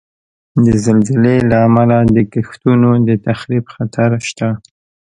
د زلزلې له امله د کښتونو د تخریب خطر شته.